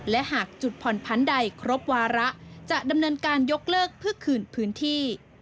และหากจุดผ่อนพันธุ์ใดครบวาระจะดำเนินการยกเลิกเพื่อคืนพื้นที่